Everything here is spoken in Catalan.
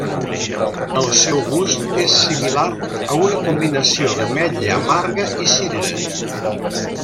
El seu gust és similar a una combinació d'ametlla amarga i cirera.